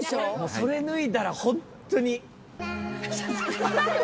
それ脱いだらホントに。